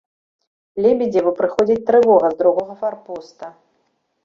Лебедзеву прыходзіць трывога з другога фарпоста.